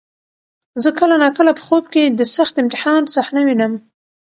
زه کله ناکله په خوب کې د سخت امتحان صحنه وینم.